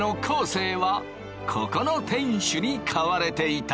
生はここの店主に買われていた！